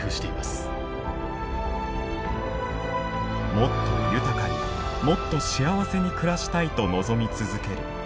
もっと豊かにもっと幸せに暮らしたいと望み続ける人間。